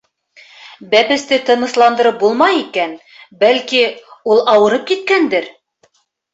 Бәпесте тынысландырып булмай икән, бәлки, ул ауырып киткәндер?